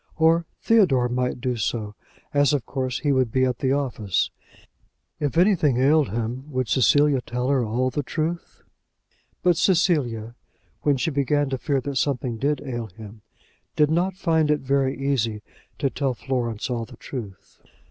Or Theodore might do so, as of course he would be at the office. If anything ailed him would Cecilia tell her all the truth? But Cecilia, when she began to fear that something did ail him, did not find it very easy to tell Florence all the truth.